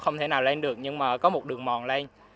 không thể nào lên được nhưng mà có một đường mòn lên